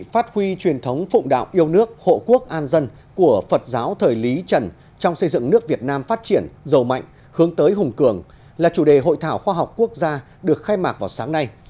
phát huy truyền thống phụng đạo yêu nước hộ quốc an dân của phật giáo thời lý trần trong xây dựng nước việt nam phát triển giàu mạnh hướng tới hùng cường là chủ đề hội thảo khoa học quốc gia được khai mạc vào sáng nay